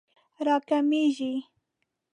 راکمېږي